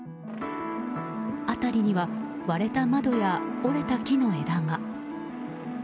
辺りには割れた窓や折れた木の枝が。